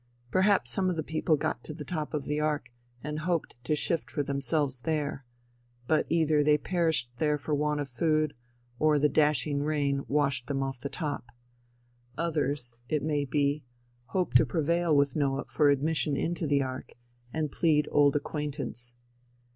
"Perhaps some of the people got to the top of the ark, and hoped to shift for themselves there. But either they perished there for want of food, or the dashing rain washed them off the top. Others, it may be, hoped to prevail with Noah for admission into the ark, and plead old acquaintance.